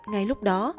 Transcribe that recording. ngay lúc đó